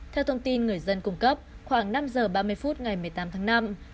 theo thông tin người dân cung cấp khoảng năm giờ ba mươi phút ngày một mươi tám tháng năm